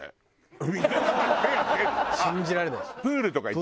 信じられないでしょ？